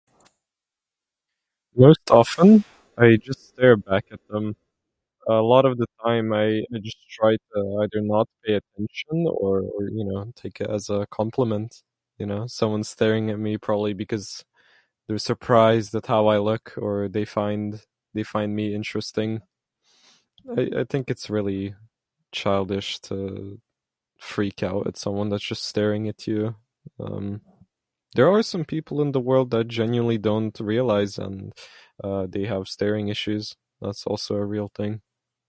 Quite often, I just stare back at them. A lot of the time I I just try to, I do not pay attention, or or you know take it as a compliment, you know. Someone's staring at me probably because they're surprised at how I look, or they find, they find me interesting. I I think it's really childish to freak out at someone that's just staring at you. Um, there are some people in the world that genuinely don't realize uh they have staring issues. That's also a real thing.